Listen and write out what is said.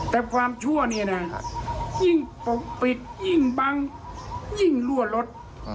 แต่ความชั่วเนี่ยนะยิ่งปกปิดยิ่งบังยิ่งรั่วรถ